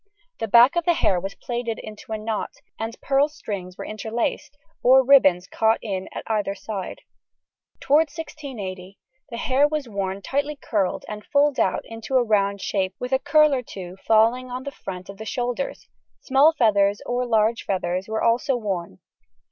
The back of the hair was plaited into a knot, and pearl strings were interlaced, or ribbon loops caught in at either side. Toward 1680 the hair was worn tightly curled and fulled out into a round shape with a curl or two falling on the front of the shoulders; small feathers or long feathers were also worn.